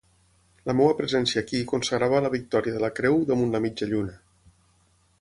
La meva presència aquí consagrava la victòria de la Creu damunt la mitja lluna.